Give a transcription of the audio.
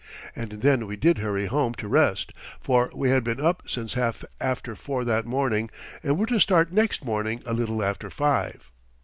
And then we did hurry home to rest, for we had been up since half after four that morning and were to start next morning a little after five.